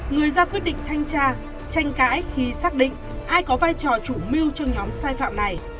người ra quyết định thanh tra tranh cãi khi xác định ai có vai trò chủ mưu trong nhóm sai phạm này